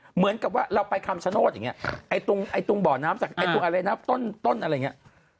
เหมือนกับว่าเราไปคำศโนสอย่างเงี้ยต้นอะไรอย่างเงี้ย